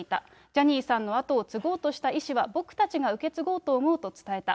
ジャニーさんの後を継ごうとした意志は、僕たちが受け継ごうと思うと伝えた。